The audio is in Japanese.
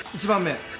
１番目。